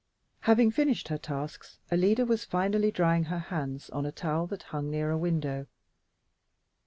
Having finished her tasks, Alida was finally drying her hands on a towel that hung near a window.